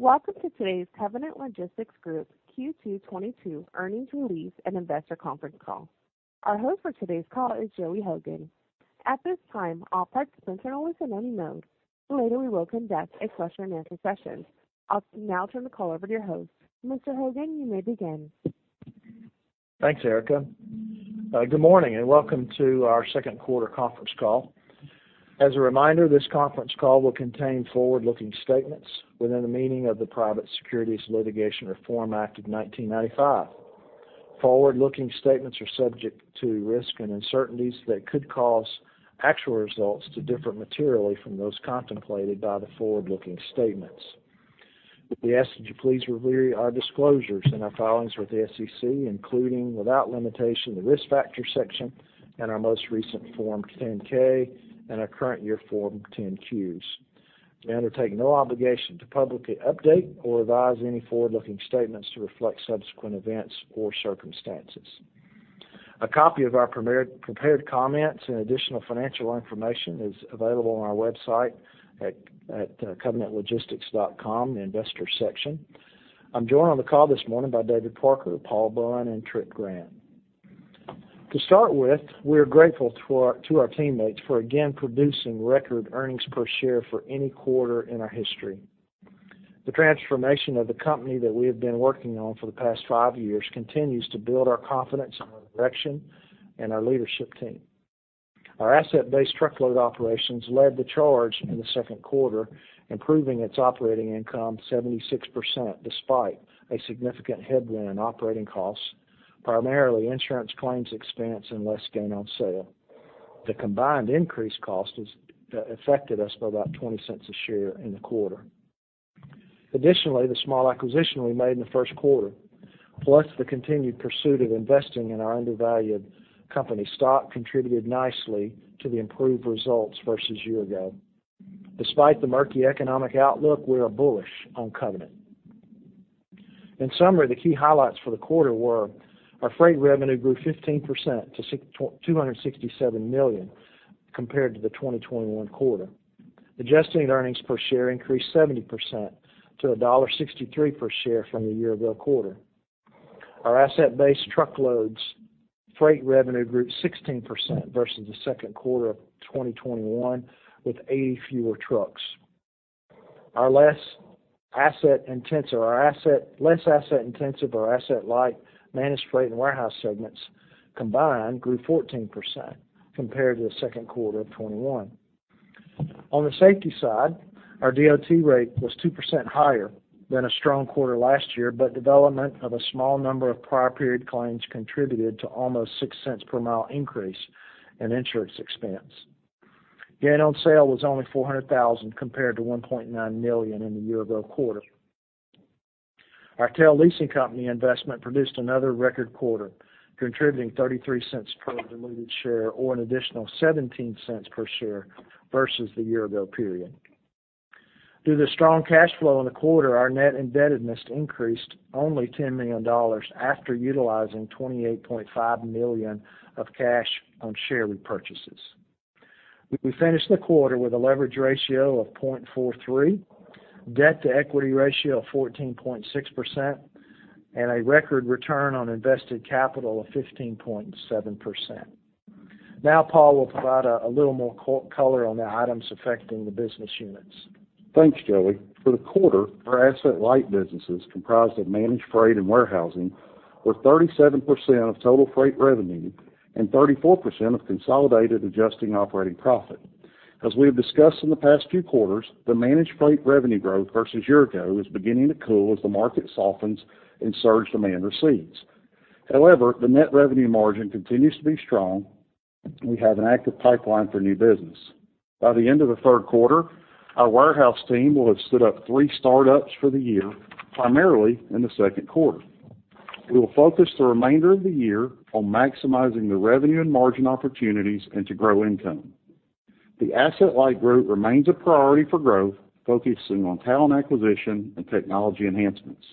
Welcome to today's Covenant Logistics Group Q2 2022 earnings release and investor conference call. Our host for today's call is Joey Hogan. At this time, all participants are in listen-only mode. Later, we will conduct a question-and-answer session. I'll now turn the call over to your host. Mr. Hogan, you may begin. Thanks, Erica. Good morning, and welcome to our second quarter conference call. As a reminder, this conference call will contain forward-looking statements within the meaning of the Private Securities Litigation Reform Act of 1995. Forward-looking statements are subject to risks and uncertainties that could cause actual results to differ materially from those contemplated by the forward-looking statements. We ask that you please review our disclosures and our filings with the SEC, including without limitation, the Risk Factors section and our most recent Form 10-K and our current year Form 10-Qs. We undertake no obligation to publicly update or revise any forward-looking statements to reflect subsequent events or circumstances. A copy of our prepared comments and additional financial information is available on our website at covenantlogistics.com in the Investor section. I'm joined on the call this morning by David Parker, Paul Bunn, and Tripp Grant. To start with, we're grateful to our teammates for again producing record earnings per share for any quarter in our history. The transformation of the company that we have been working on for the past five years continues to build our confidence in our direction and our leadership team. Our asset-based truckload operations led the charge in the second quarter, improving its operating income 76% despite a significant headwind in operating costs, primarily insurance claims expense and less gain on sale. The combined increased cost has affected us by about $0.20 a share in the quarter. Additionally, the small acquisition we made in the first quarter, plus the continued pursuit of investing in our undervalued company stock contributed nicely to the improved results versus year ago. Despite the murky economic outlook, we are bullish on Covenant. In summary, the key highlights for the quarter were. Our freight revenue grew 15% to $267 million compared to the 2021 quarter. Adjusted earnings per share increased 70% to $1.63 per share from the year-ago quarter. Our asset-based truckload freight revenue grew 16% versus the second quarter of 2021 with 80 fewer trucks. Our less asset-intensive or asset-light managed freight and warehouse segments combined grew 14% compared to the second quarter of 2021. On the safety side, our DOT rate was 2% higher than a strong quarter last year, but development of a small number of prior period claims contributed to almost $0.06 per mile increase in insurance expense. Gain on sale was only $400,000 compared to $1.9 million in the year-ago quarter. Our TEL leasing company investment produced another record quarter, contributing $0.33 per diluted share or an additional $0.17 per share versus the year-ago period. Due to the strong cash flow in the quarter, our net indebtedness increased only $10 million after utilizing $28.5 million of cash on share repurchases. We finished the quarter with a leverage ratio of 0.43x, debt-to-equity ratio of 14.6%, and a record return on invested capital of 15.7%. Now, Paul will provide a little more color on the items affecting the business units. Thanks, Joey. For the quarter, our asset-light businesses comprised of managed freight and warehousing were 37% of total freight revenue and 34% of consolidated adjusting operating profit. As we have discussed in the past few quarters, the managed freight revenue growth versus year ago is beginning to cool as the market softens and surge demand recedes. However, the net revenue margin continues to be strong. We have an active pipeline for new business. By the end of the third quarter, our warehouse team will have stood up three startups for the year, primarily in the second quarter. We will focus the remainder of the year on maximizing the revenue and margin opportunities and to grow income. The asset-light group remains a priority for growth, focusing on talent acquisition and technology enhancements.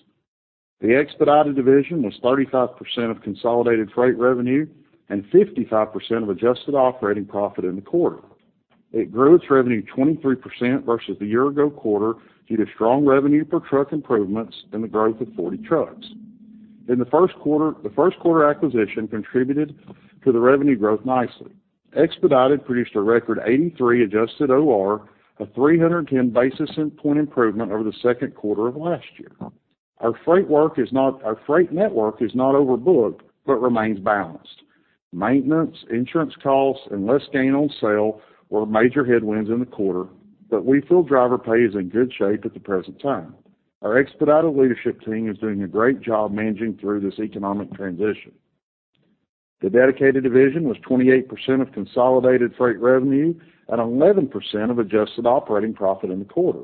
The expedited division was 35% of consolidated freight revenue and 55% of adjusted operating profit in the quarter. It grew its revenue 23% versus the year-ago quarter due to strong revenue per truck improvements and the growth of 40 trucks. In the first quarter, the first quarter acquisition contributed to the revenue growth nicely. Expedited produced a record 83% Adjusted OR, a 310 basis point improvement over the second quarter of last year. Our freight network is not overbooked, but remains balanced. Maintenance, insurance costs, and less gain on sale were major headwinds in the quarter, but we feel driver pay is in good shape at the present time. Our expedited leadership team is doing a great job managing through this economic transition. The dedicated division was 28% of consolidated freight revenue and 11% of adjusted operating profit in the quarter.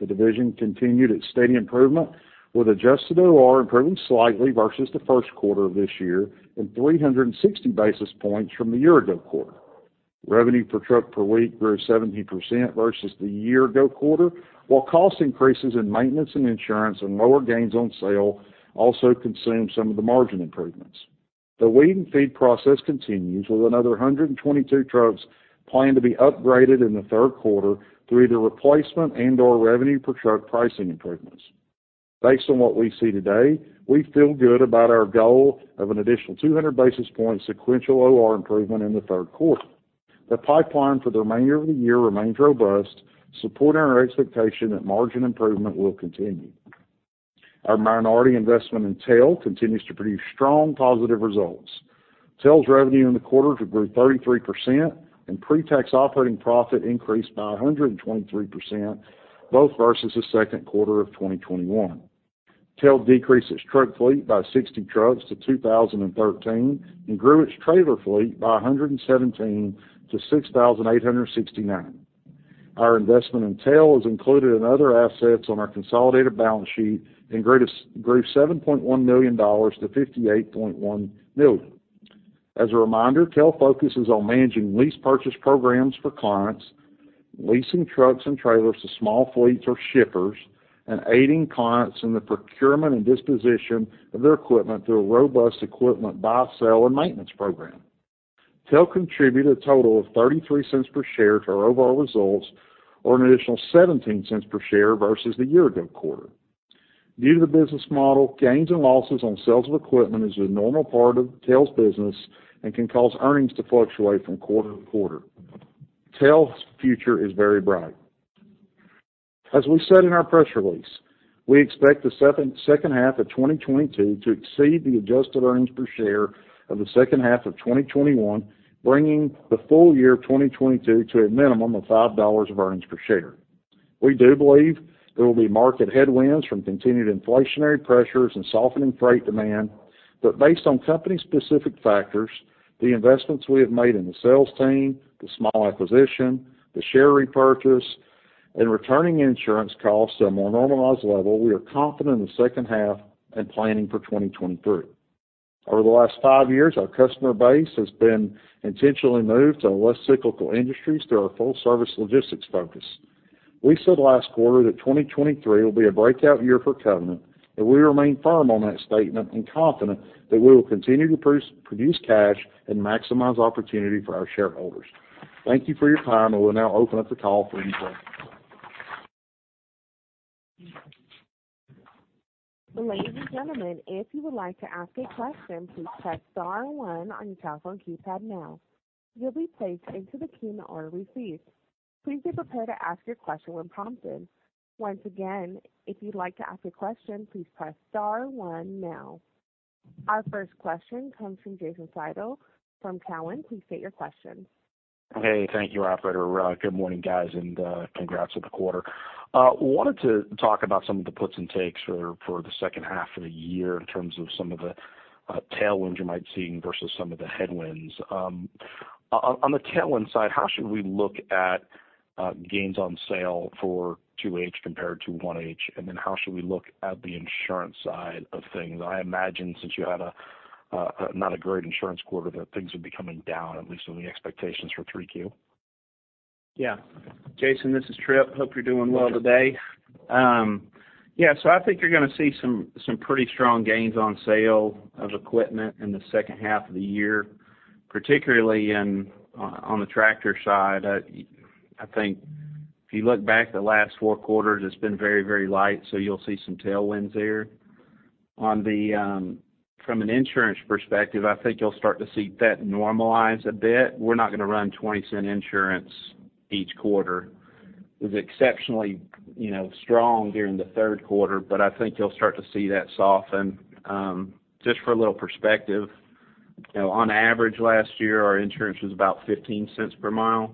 The division continued its steady improvement with adjusted OR improving slightly versus the first quarter of this year and 360 basis points from the year-ago quarter. Revenue per truck per week grew 17% versus the year-ago quarter, while cost increases in maintenance and insurance and lower gains on sale also consumed some of the margin improvements. The weed and feed process continues with another 122 trucks planned to be upgraded in the third quarter through either replacement and/or revenue per truck pricing improvements. Based on what we see today, we feel good about our goal of an additional 200 basis points sequential OR improvement in the third quarter. The pipeline for the remainder of the year remains robust, supporting our expectation that margin improvement will continue. Our minority investment in TEL continues to produce strong positive results. TEL's revenue in the quarter grew 33%, and pre-tax operating profit increased by 123%, both versus the second quarter of 2021. TEL decreased its truck fleet by 60 trucks to 2,013 trucks and grew its trailer fleet by 117 trucks to 6,869 trucks. Our investment in TEL is included in other assets on our consolidated balance sheet and grew $7.1 million-$58.1 million. As a reminder, TEL focuses on managing lease purchase programs for clients, leasing trucks and trailers to small fleets or shippers, and aiding clients in the procurement and disposition of their equipment through a robust equipment buy, sell, and maintenance program. TEL contributed a total of $0.33 per share to our overall results or an additional $0.17 per share versus the year ago quarter. Due to the business model, gains and losses on sales of equipment is a normal part of TEL's business and can cause earnings to fluctuate from quarter-to-quarter. TEL's future is very bright. As we said in our press release, we expect the second half of 2022 to exceed the adjusted earnings per share of the second half of 2021, bringing the full year of 2022 to a minimum of $5 of earnings per share. We do believe there will be market headwinds from continued inflationary pressures and softening freight demand, but based on company-specific factors, the investments we have made in the sales team, the small acquisition, the share repurchase, and returning insurance costs to a more normalized level, we are confident in the second half and planning for 2023. Over the last five years, our customer base has been intentionally moved to less cyclical industries through our full-service logistics focus. We said last quarter that 2023 will be a breakout year for Covenant, and we remain firm on that statement and confident that we will continue to produce cash and maximize opportunity for our shareholders. Thank you for your time. I will now open up the call for any questions. Ladies and gentlemen, if you would like to ask a question, please press star one on your telephone keypad now. You'll be placed into the queue in the order received. Please be prepared to ask your question when prompted. Once again, if you'd like to ask a question, please press star one now. Our first question comes from Jason Seidl from Cowen. Please state your question. Hey, thank you, operator. Good morning, guys, and congrats on the quarter. Wanted to talk about some of the puts and takes for the second half of the year in terms of some of the tailwinds you might see versus some of the headwinds. On the tailwind side, how should we look at gains on sale for H2 compared to H1? Then how should we look at the insurance side of things? I imagine since you had not a great insurance quarter, that things would be coming down at least on the expectations for Q3. Yeah. Jason, this is Tripp. Hope you're doing well today. I think you're gonna see some pretty strong gains on sale of equipment in the second half of the year, particularly on the tractor side. I think if you look back the last four quarters, it's been very light, so you'll see some tailwinds there. On the from an insurance perspective, I think you'll start to see that normalize a bit. We're not gonna run $0.20 insurance each quarter. It was exceptionally strong during the third quarter, but I think you'll start to see that soften. Just for a little perspective, you know, on average last year, our insurance was about $0.15 per mile.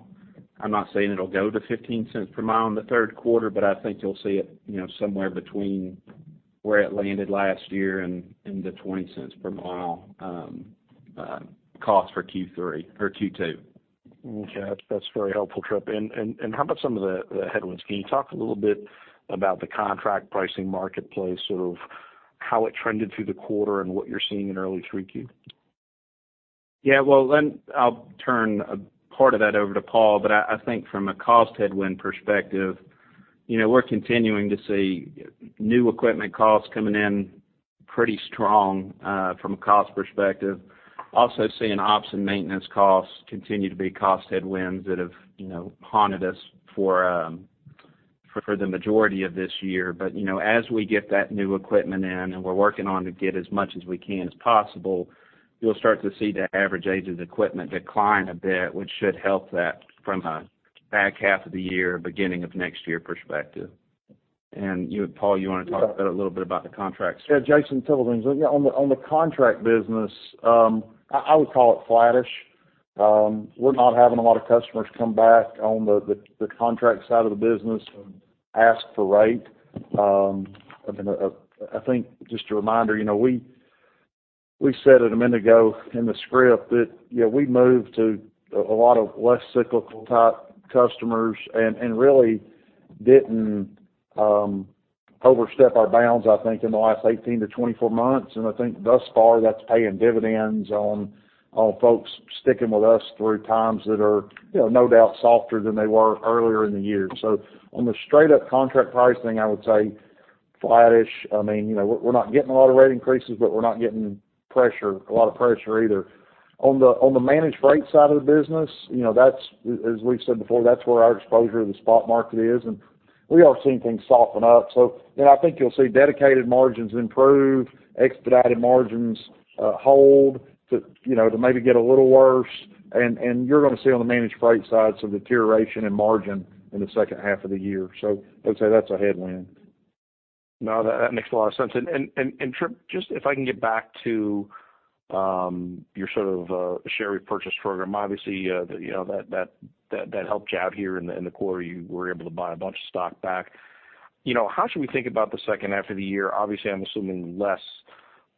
I'm not saying it'll go to $0.15 per mile in the third quarter, but I think you'll see it, you know, somewhere between where it landed last year and the $0.20 per mile cost for Q3 or Q2. Okay. That's very helpful, Tripp. How about some of the headwinds? Can you talk a little bit about the contract pricing marketplace, sort of how it trended through the quarter and what you're seeing in early Q3? Yeah. Well, I'll turn part of that over to Paul, but I think from a cost headwind perspective, you know, we're continuing to see new equipment costs coming in pretty strong, from a cost perspective. Also seeing ops and maintenance costs continue to be cost headwinds that have, you know, haunted us for the majority of this year. You know, as we get that new equipment in, and we're working on to get as much as we can as possible, you'll start to see the average age of the equipment decline a bit, which should help that from a back half of the year, beginning of next year perspective. You, Paul, you want to talk a little bit about the contracts? Jason, on the contract business, I would call it flattish. We're not having a lot of customers come back on the contract side of the business and ask for rate. I mean, I think just a reminder, you know, we said it a minute ago in the script that, you know, we moved to a lot of less cyclical type customers and really didn't overstep our bounds, I think, in the last 18-24 months. I think thus far that's paying dividends on folks sticking with us through times that are, you know, no doubt softer than they were earlier in the year. On the straight up contract pricing, I would say flattish. I mean, you know, we're not getting a lot of rate increases, but we're not getting a lot of pressure either. On the managed freight side of the business, you know, that's, as we've said before, where our exposure to the spot market is, and we are seeing things soften up. You know, I think you'll see dedicated margins improve, expedited margins hold to maybe get a little worse. You're gonna see on the managed freight side some deterioration in margin in the second half of the year. I'd say that's a headwind. No, that makes a lot of sense. Tripp, just if I can get back to your sort of share repurchase program. Obviously, you know, that helped you out here in the quarter. You were able to buy a bunch of stock back. You know, how should we think about the second half of the year? Obviously, I'm assuming less,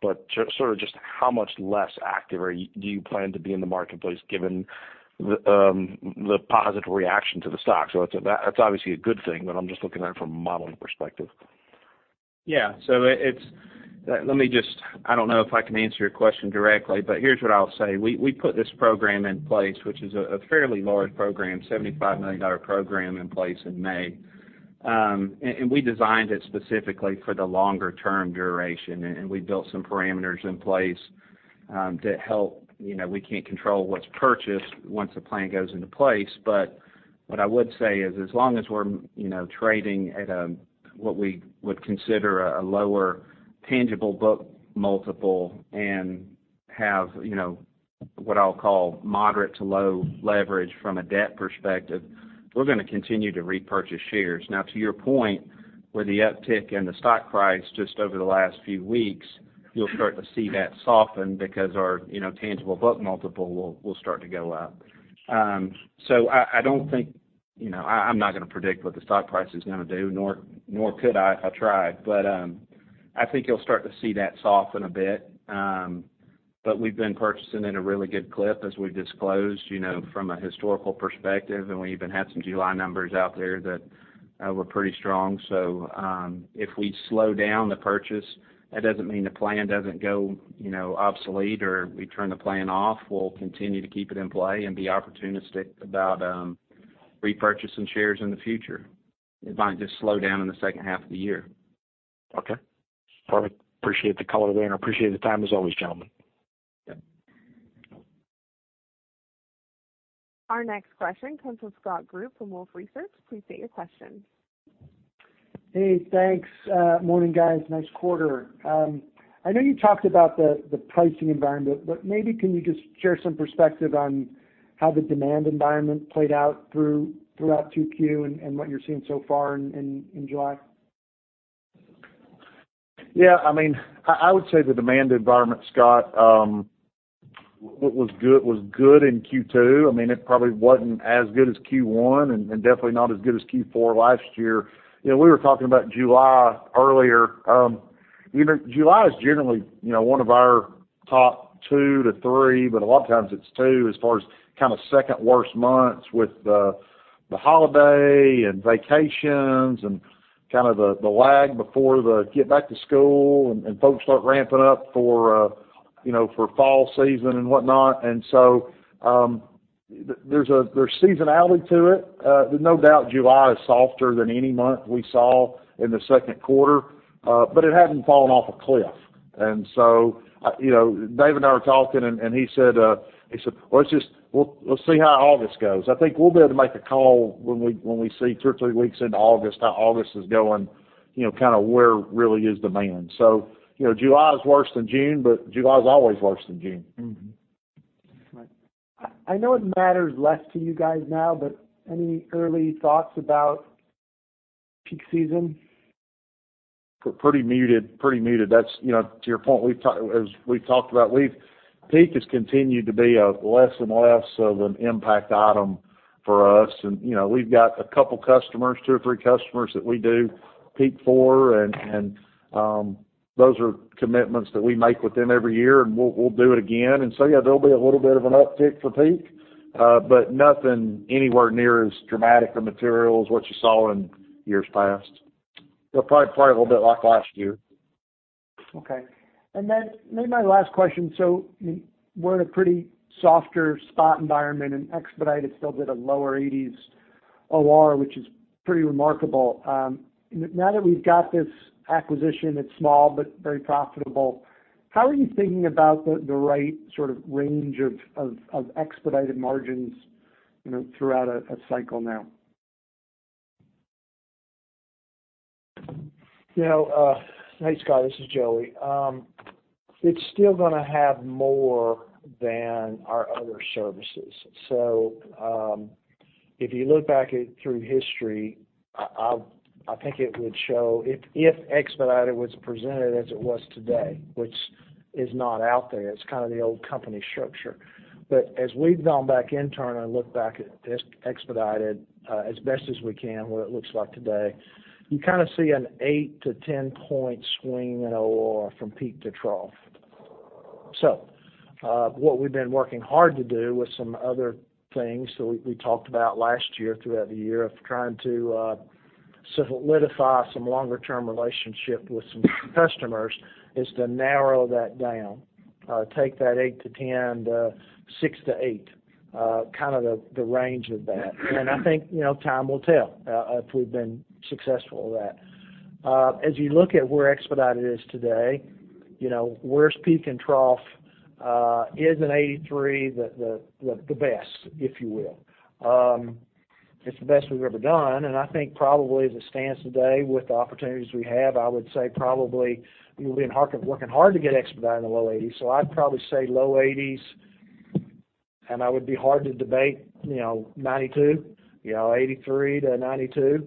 but sort of just how much less active are you, do you plan to be in the marketplace given the positive reaction to the stock? That's obviously a good thing, but I'm just looking at it from a modeling perspective. I don't know if I can answer your question directly, but here's what I'll say. We put this program in place, which is a fairly large program, $75 million program in place in May. We designed it specifically for the longer term duration, and we built some parameters in place to help. You know, we can't control what's purchased once the plan goes into place. What I would say is, as long as we're, you know, trading at a, what we would consider a lower tangible book multiple and have, you know, what I'll call moderate to low leverage from a debt perspective, we're gonna continue to repurchase shares. Now to your point, with the uptick in the stock price just over the last few weeks, you'll start to see that soften because our, you know, tangible book multiple will start to go up. I don't think. You know, I'm not gonna predict what the stock price is gonna do, nor could I if I tried. I think you'll start to see that soften a bit. We've been purchasing at a really good clip as we disclosed, you know, from a historical perspective, and we even had some July numbers out there that were pretty strong. If we slow down the purchase, that doesn't mean the plan doesn't go, you know, obsolete or we turn the plan off. We'll continue to keep it in play and be opportunistic about repurchasing shares in the future. It might just slow down in the second half of the year. Okay, perfect. Appreciate the color there, and I appreciate the time as always, gentlemen. Yeah. Our next question comes from Scott Group from Wolfe Research. Please state your question. Hey, thanks. Morning, guys. Nice quarter. I know you talked about the pricing environment, but maybe can you just share some perspective on how the demand environment played out throughout Q2 and what you're seeing so far in July? Yeah, I mean, I would say the demand environment, Scott, was good in Q2. I mean, it probably wasn't as good as Q1 and definitely not as good as Q4 last year. You know, we were talking about July earlier. You know, July is generally, you know, one of our top two to three, but a lot of times it's two as far as kind of second-worst months with the holiday and vacations and kind of the lag before they get back to school and folks start ramping up for, you know, for fall season and whatnot. There's seasonality to it. No doubt July is softer than any month we saw in the second quarter, but it hasn't fallen off a cliff. You know, David and I were talking, and he said, "Well, let's just. We'll see how August goes." I think we'll be able to make a call when we see two or three weeks into August how August is going, you know, kind of where really is demand. So, you know, July is worse than June, but July is always worse than June. Right. I know it matters less to you guys now, but any early thoughts about peak season? Pretty muted. That's, you know, to your point, as we've talked about, peak has continued to be less and less of an impact item for us. You know, we've got a couple customers, two or three customers that we do peak for and those are commitments that we make with them every year, and we'll do it again. Yeah, there'll be a little bit of an uptick for peak, but nothing anywhere near as dramatic or material as what you saw in years past. It'll probably play a little bit like last year. Okay. Maybe my last question, so we're in a pretty softer spot environment and expedited still did a low 80s% OR, which is pretty remarkable. Now that we've got this acquisition, it's small but very profitable, how are you thinking about the right sort of range of expedited margins, you know, throughout a cycle now? You know, hey, Scott, this is Joey. It's still gonna have more than our other services. If you look back through history, I think it would show if expedited was presented as it was today, which is not out there, it's kind of the old company structure. But as we've gone back in turn and looked back at expedited, as best as we can, what it looks like today, you kind of see an 8-10 point swing in OR from peak to trough. What we've been working hard to do with some other things, so we talked about last year, throughout the year, of trying to solidify some longer term relationship with some customers, is to narrow that down, take that 8-10 points to 6-8 points. Kind of the range of that. I think, you know, time will tell if we've been successful with that. As you look at where expedited is today, you know, worst peak and trough, isn't 83% the best, if you will. It's the best we've ever done, and I think probably as it stands today with the opportunities we have, I would say probably we've been working hard to get expedited in the low 80s%. I'd probably say low 80s%, and I would be hard to debate, you know, 92%. You know, 83%-92%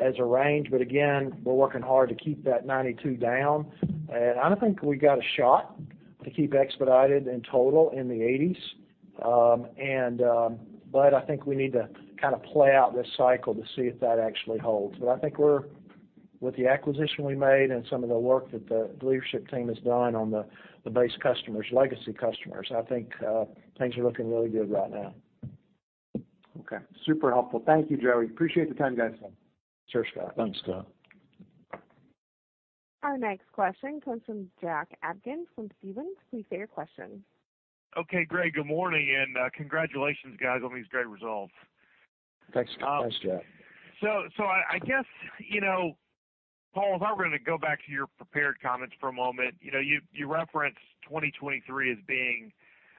as a range. But again, we're working hard to keep that 92% down. I think we got a shot to keep expedited in total in the 80s%. I think we need to kind of play out this cycle to see if that actually holds. I think with the acquisition we made and some of the work that the leadership team has done on the base customers, legacy customers, I think things are looking really good right now. Okay. Super helpful. Thank you, Joey. Appreciate the time, guys. Sure, Scott. Thanks, Scott. Our next question comes from Jack Atkins from Stephens. Please state your question. Okay. Great, good morning, and congratulations guys on these great results. Thanks. Thanks, Jack. I guess, you know, Paul, if I were gonna go back to your prepared comments for a moment, you know, you referenced 2023 as being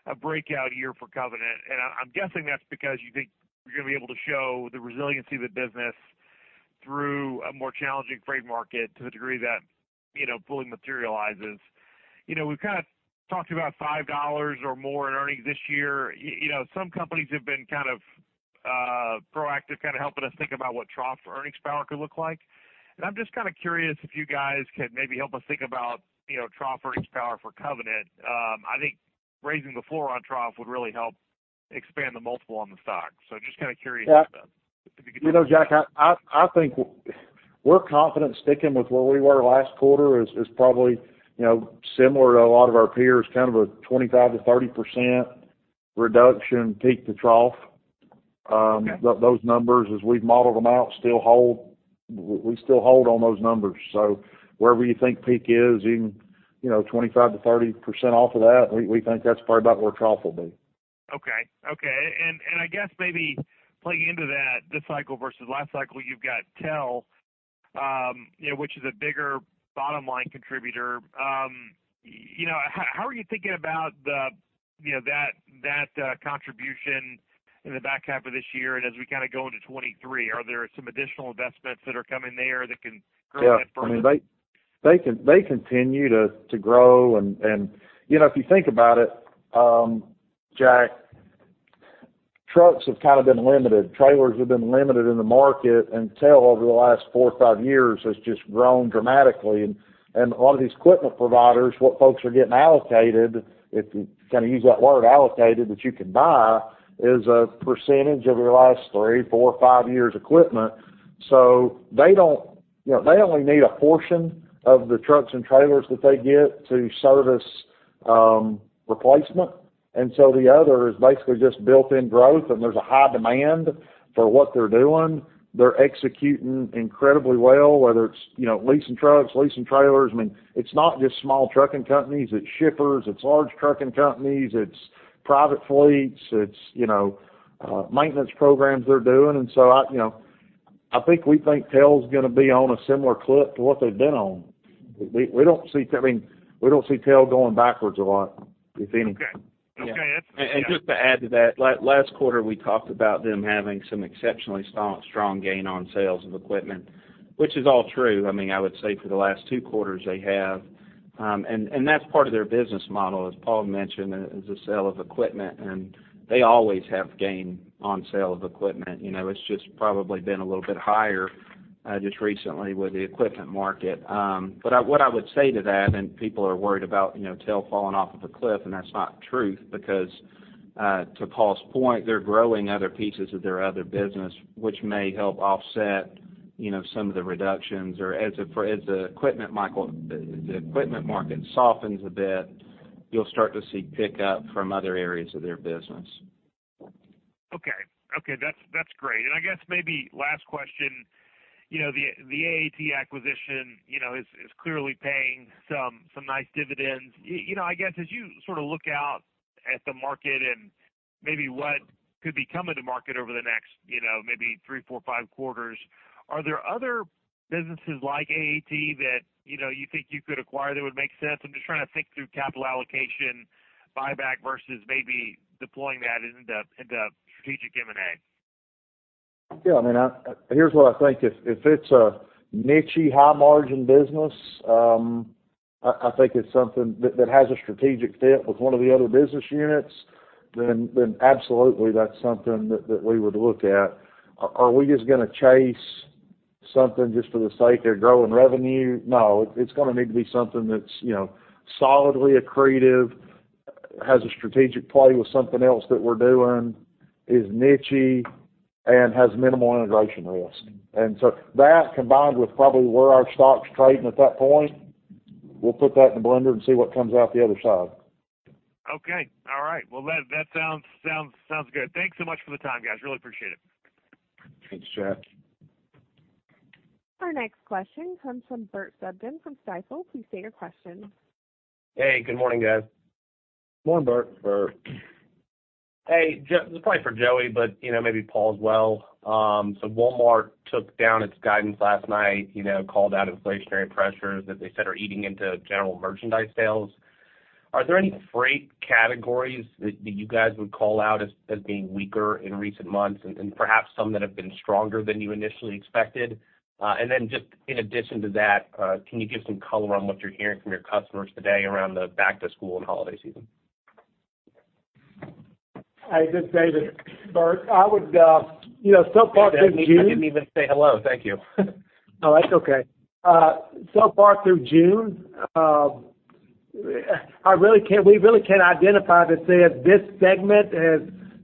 a breakout year for Covenant, and I'm guessing that's because you think you're gonna be able to show the resiliency of the business through a more challenging freight market to the degree that, you know, fully materializes. You know, we've kind of talked about $5 or more in earnings this year. You know, some companies have been kind of proactive, kind of helping us think about what trough earnings power could look like. I'm just kind of curious if you guys could maybe help us think about, you know, trough earnings power for Covenant. I think raising the floor on trough would really help expand the multiple on the stock. Just kind of curious if you could- You know, Jack, I think we're confident sticking with where we were last quarter is probably, you know, similar to a lot of our peers, kind of a 25%-30% reduction peak to trough. Those numbers, as we've modeled them out, still hold. We still hold on those numbers. Wherever you think peak is, even, you know, 25%-30% off of that, we think that's probably about where trough will be. Okay. I guess maybe playing into that, this cycle versus last cycle, you've got TEL, you know, which is a bigger bottom-line contributor. You know, how are you thinking about the, you know, that contribution in the back half of this year and as we kind of go into 2023? Are there some additional investments that are coming there that can grow that further? Yeah. I mean, they continue to grow and, you know, if you think about it, Jack, trucks have kind of been limited. Trailers have been limited in the market, and TEL over the last four or five years has just grown dramatically. A lot of these equipment providers, what folks are getting allocated, if you kinda use that word allocated, that you can buy is a percentage of your last three, four, five years equipment. They don't. You know, they only need a portion of the trucks and trailers that they get to service replacement. The other is basically just built in growth, and there's a high demand for what they're doing. They're executing incredibly well, whether it's, you know, leasing trucks, leasing trailers. I mean, it's not just small trucking companies, it's shippers, it's large trucking companies, it's private fleets, it's, you know, maintenance programs they're doing. I, you know, I think we think TEL's gonna be on a similar clip to what they've been on. I mean, we don't see TEL going backwards a lot, if any. Okay. Just to add to that, last quarter, we talked about them having some exceptionally strong gain on sales of equipment, which is all true. I mean, I would say for the last two quarters they have. That's part of their business model, as Paul mentioned, is the sale of equipment, and they always have gain on sale of equipment. You know, it's just probably been a little bit higher, just recently with the equipment market. What I would say to that, and people are worried about, you know, TEL falling off of a cliff, and that's not true because, to Paul's point, they're growing other pieces of their other business, which may help offset, you know, some of the reductions. As the equipment market softens a bit, you'll start to see pickup from other areas of their business. Okay. That's great. I guess maybe last question, you know, the AAT acquisition, you know, is clearly paying some nice dividends. You know, I guess as you sort of look out at the market and maybe what could be coming to market over the next, you know, maybe three, four, five quarters, are there other businesses like AAT that, you know, you think you could acquire that would make sense? I'm just trying to think through capital allocation, buyback versus maybe deploying that into strategic M&A. Yeah. I mean, here's what I think. If it's a niche-y, high margin business, I think it's something that has a strategic fit with one of the other business units, then absolutely that's something that we would look at. Are we just gonna chase something just for the sake of growing revenue? No. It's gonna need to be something that's, you know, solidly accretive, has a strategic play with something else that we're doing, is niche-y, and has minimal integration risk. That combined with probably where our stock's trading at that point, we'll put that in the blender and see what comes out the other side. Okay. All right. Well, that sounds good. Thanks so much for the time, guys. Really appreciate it. Thanks, Jack. Our next question comes from Bert Subin from Stifel. Please state your question. Hey, good morning, guys. Morning, Bert. Bert. Hey, this is probably for Joey, but you know, maybe Paul as well. Walmart took down its guidance last night, you know, called out inflationary pressures that they said are eating into general merchandise sales. Are there any freight categories that you guys would call out as being weaker in recent months and perhaps some that have been stronger than you initially expected? Just in addition to that, can you give some color on what you're hearing from your customers today around the back-to-school and holiday season? This is David. Bert, I would, you know, so far through June. I didn't even say hello. Thank you. Oh, that's okay. So far through June, you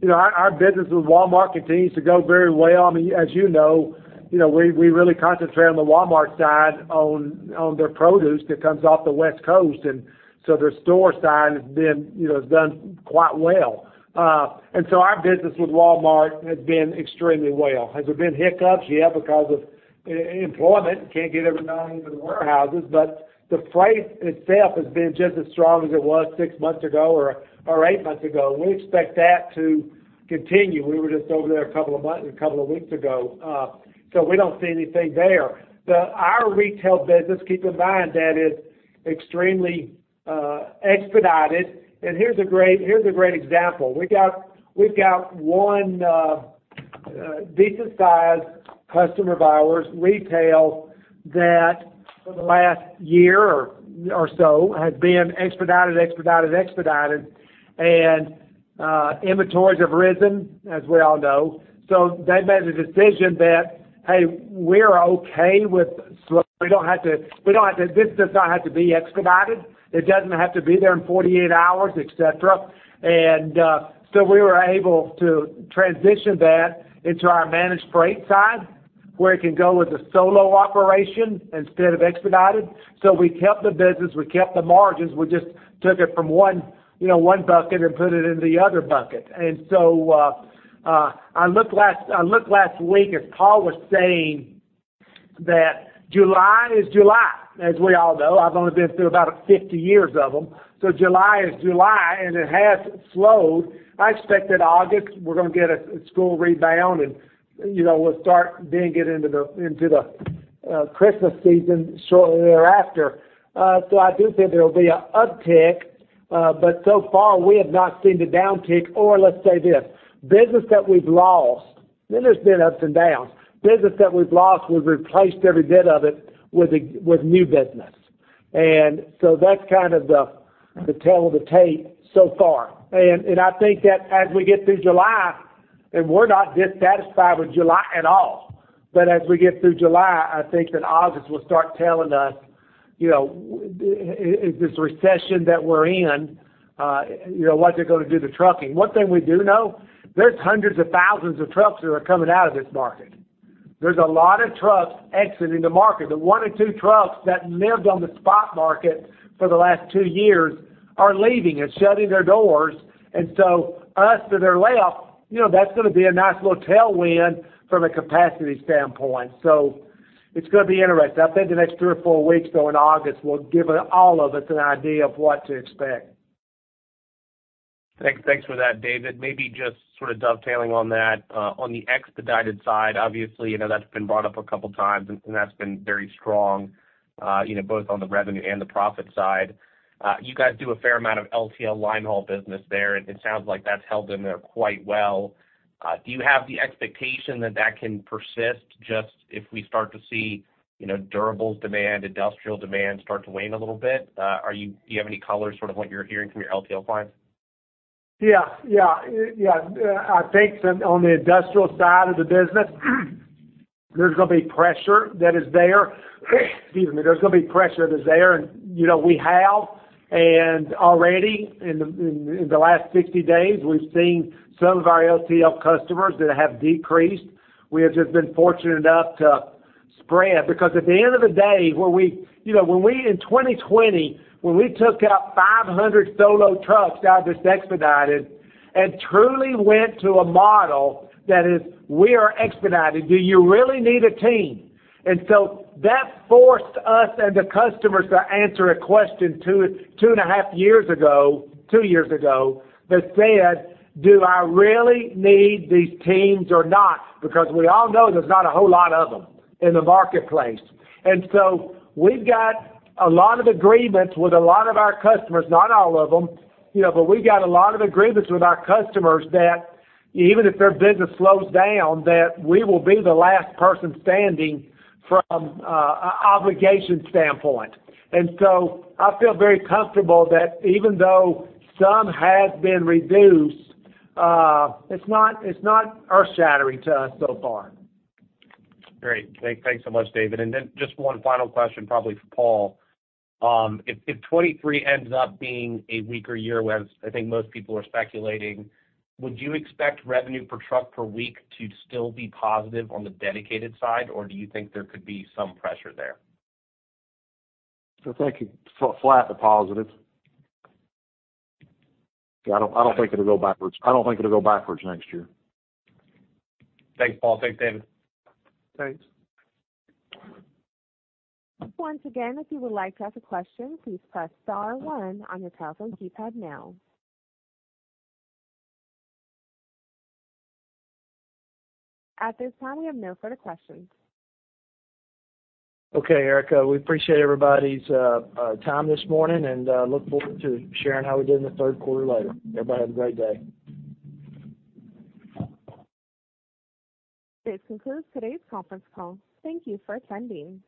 know, our business with Walmart continues to go very well. I mean, as you know, you know, we really concentrate on the Walmart side on their produce that comes off the West Coast. Their store side has been, you know, has done quite well. Our business with Walmart has been extremely well. Has there been hiccups? Yeah, because of employment, can't get everybody into the warehouses. The freight itself has been just as strong as it was six months ago or eight months ago. We expect that to continue. We were just over there a couple of weeks ago. We don't see anything there. Our retail business, keep in mind, that is extremely expedited. Here's a great example. We've got one decent-sized customer of ours, retail, that for the last year or so has been expedited. Inventories have risen, as we all know. They made the decision that, "Hey, we're okay with slow. We don't have to. This does not have to be expedited. It doesn't have to be there in 48 hours," et cetera. We were able to transition that into our managed freight side, where it can go as a solo operation instead of expedited. We kept the business, we kept the margins, we just took it from one, you know, one bucket and put it in the other bucket. I looked last week, as Paul was saying that July is July, as we all know. I've only been through about 50 years of them. July is July, and it has slowed. I expect that August, we're gonna get a school rebound and, you know, we'll start then get into the Christmas season shortly thereafter. I do think there'll be an uptick. So far, we have not seen the downtick or let's say this, business that we've lost and there's been ups and downs. Business that we've lost, we've replaced every bit of it with new business. That's kind of the tell of the tape so far. I think that as we get through July, and we're not dissatisfied with July at all, but as we get through July, I think that August will start telling us, you know, in this recession that we're in, you know, what they're gonna do to trucking. One thing we do know, there's hundreds of thousands of trucks that are coming out of this market. There's a lot of trucks exiting the market. The one or two trucks that lived on the Spot Market for the last two years are leaving and shutting their doors. As to their layup, you know, that's gonna be a nice little tailwind from a capacity standpoint. It's gonna be interesting. I think the next three or four weeks, though, in August, will give all of us an idea of what to expect. Thanks. Thanks for that, David. Maybe just sort of dovetailing on that. On the expedited side, obviously, you know, that's been brought up a couple times, and that's been very strong, you know, both on the revenue and the profit side. You guys do a fair amount of LTL linehaul business there. It sounds like that's held in there quite well. Do you have the expectation that that can persist just if we start to see, you know, durables demand, industrial demand start to wane a little bit? Do you have any color sort of what you're hearing from your LTL clients? Yeah. I think on the industrial side of the business there's gonna be pressure that's there. You know, we have already in the last 60 days, we've seen some of our LTL customers that have decreased. We have just been fortunate enough to spread. Because at the end of the day, you know, when we in 2020 took out 500 solo trucks out of this expedited and truly went to a model that is, we are expedited, do you really need a team? That forced us and the customers to answer a question 2.5 years ago that said, "Do I really need these teams or not?" Because we all know there's not a whole lot of them in the marketplace. We've got a lot of agreements with a lot of our customers, not all of them, you know, but we've got a lot of agreements with our customers that even if their business slows down, that we will be the last person standing from a obligation standpoint. I feel very comfortable that even though some have been reduced, it's not earth-shattering to us so far. Great. Thanks so much, David. Then just one final question, probably for Paul. If 2023 ends up being a weaker year, as I think most people are speculating, would you expect revenue per truck per week to still be positive on the dedicated side, or do you think there could be some pressure there? I think flat to positive. I don't think it'll go backwards. I don't think it'll go backwards next year. Thanks, Paul. Thanks, David. Thanks. Once again, if you would like to ask a question, please press star one on your telephone keypad now. At this time, we have no further questions. Okay, Erica, we appreciate everybody's time this morning and look forward to sharing how we did in the third quarter later. Everybody have a great day. This concludes today's conference call. Thank you for attending.